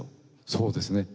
そうですね。